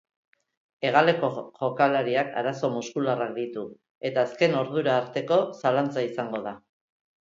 Hegaleko jokalariak arazo muskularrak ditu, eta azken ordura arteko zalantza izango da.